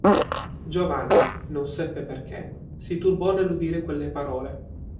Giovanni, non seppe perché, si turbò nell'udire quelle parole.